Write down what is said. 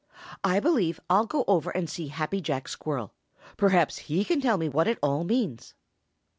"I believe I'll go over and see Happy Jack Squirrel. Perhaps he can tell me what it all means."